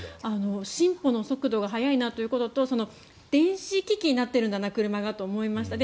進歩の速度が速いなということと電子機器になっているんだな車がと思いました。